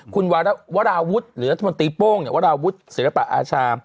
คุณวราวุฒิหรือรัฐมนตรีโป้งวราวุฒิศิลปะอาชา